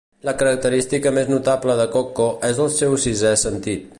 La característica més notable de Koko és el seu sisè sentit.